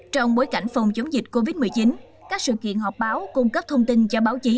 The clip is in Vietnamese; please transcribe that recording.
trong bối cảnh phòng chống dịch covid một mươi chín các sự kiện họp báo cung cấp thông tin cho báo chí